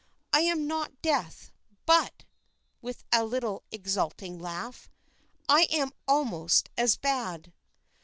I am not Death. But," with a little exulting laugh, "I am almost as bad."